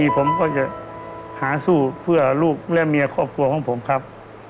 ผมก็จะหาสู้เพื่อลูกและเมียครอบครัวของผมครับ